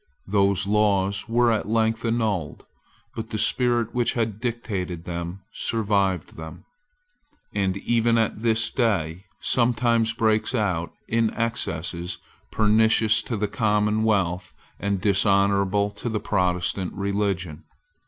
Those laws were at length annulled: but the spirit which had dictated them survived them, and even at this day sometimes breaks out in excesses pernicious to the commonwealth and dishonourable to the Protestant religion.